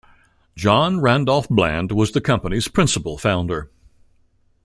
John Randolph Bland was the company's principal founder.